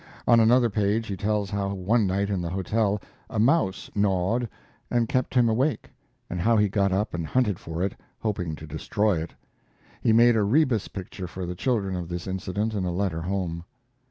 On another page he tells how one night in the hotel a mouse gnawed and kept him awake, and how he got up and hunted for it, hoping to destroy it. He made a rebus picture for the children of this incident in a letter home.